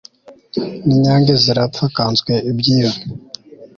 n'inyange zirapfa nkaswe ibyiyoni